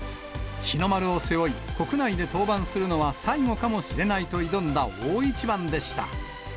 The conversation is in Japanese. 日の丸を背負い、国内で登板するのは最後かもしれないと挑んだ大一番でした。